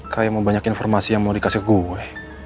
kayak mau banyak informasi yang mau dikasih gue